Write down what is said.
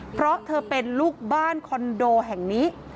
เพราะเธอเป็นลูกบ้านคอนโดแห่งนี้